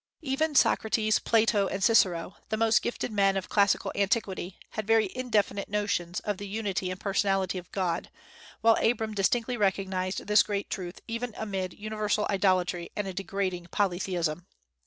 Even Socrates, Plato, and Cicero the most gifted men of classical antiquity had very indefinite notions of the unity and personality of God, while Abram distinctly recognized this great truth even amid universal idolatry and a degrading polytheism.